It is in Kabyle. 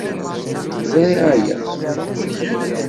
Ẓriɣ aya.